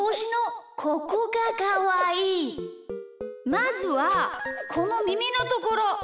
まずはこのみみのところ！